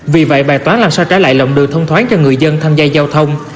vì vậy bài toán làm sao trả lại lòng đường thông thoáng cho người dân tham gia giao thông